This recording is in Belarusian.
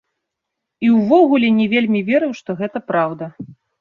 І ўвогуле не вельмі верыў, што гэта праўда.